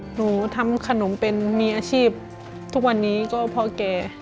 หนูทำขนมเป็นมีอาชีพทุกวันนี้ก็เพราะแก